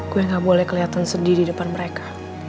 gue gak boleh kelihatan sedih di depan mereka